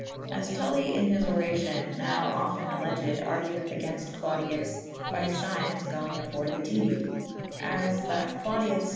As Tully in his oracion nowe often alledged argueth agaynft Clodi/« by fygnes goyng afore the dede / as that Clodius 'B.